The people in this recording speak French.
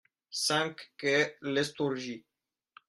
cinq quai Lestourgie